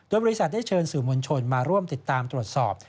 โดยบริษัทได้เชิญสื่อมวลชนมาร่วมติดตามตรวจสอบ